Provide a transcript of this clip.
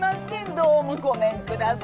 どうもごめんください。